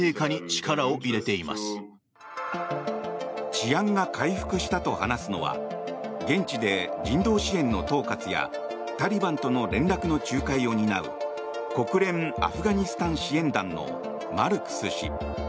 治安が回復したと話すのは現地で人道支援の統括やタリバンとの連絡の仲介を担う国連アフガニスタン支援団のマルクス氏。